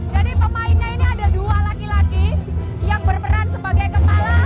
jadi pemainnya ini ada dua laki laki yang berperan sebagai kepala